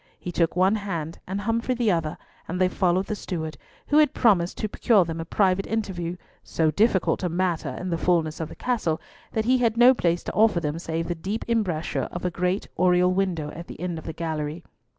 He took one hand, and Humfrey the other, and they followed the steward, who had promised to procure them a private interview, so difficult a matter, in the fulness of the castle, that he had no place to offer them save the deep embrasure of a great oriel window at the end of the gallery.